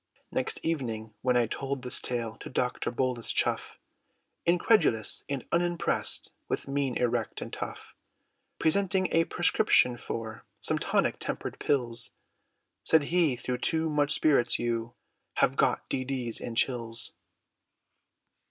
Next evening, when I told this tale, To Doctor Bolus Chuff, Incredulous, and unimpressed, With mien, erect, and tough, Presenting a prescription, for Some tonic tempered pills, Said he "Thro' too much spirits, you Have got D.T.'s and chills!"